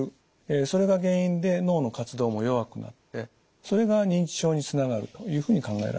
それが原因で脳の活動も弱くなってそれが認知症につながるというふうに考えられております。